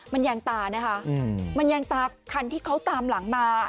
มันยางตานะคะมันยางตาคันที่เขาตามหลังมา